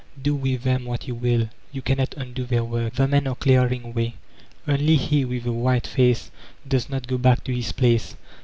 Do with them what you will, you cannot undo their work. The men are clearing way. Only he with the white face docs not go back to his place.